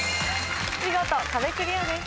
見事壁クリアです。